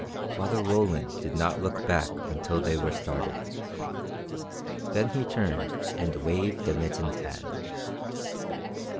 Father Roland did not look back until they were started. Then he turned and waved a mittened hand.